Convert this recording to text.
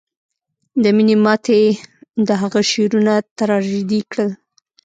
د مینې ماتې د هغه شعرونه تراژیدي کړل